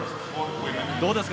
どうですか？